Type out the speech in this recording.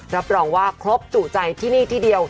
รับรองว่าครบจุใจที่นี่ที่เดียว